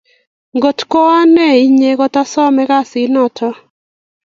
Kot ko ane inye kotasame kasit notok